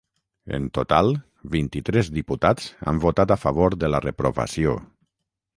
En total, vint-i-tres diputats han votat a favor de la reprovació.